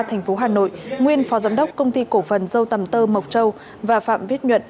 thành phố hà nội nguyên phó giám đốc công ty cổ phần dâu tầm tơ mộc châu và phạm viết nhuận